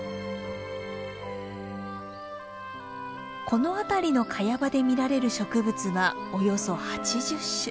この辺りのカヤ場で見られる植物はおよそ８０種。